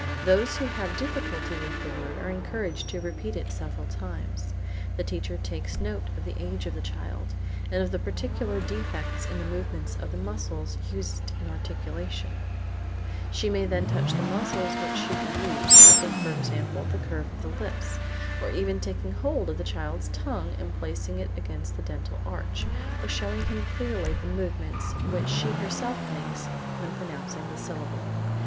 Those who have difficulty with the word, are then encouraged to repeat it several times. The teacher takes note of the age of the child, and of the particular defects in the movements of the muscles used in articulating. She may then touch the muscles which should be used, tapping for example, the curve of the lips, or even taking hold of the child's tongue and placing it against the dental arch, or showing him clearly the movements which she herself makes when pronouncing the syllable.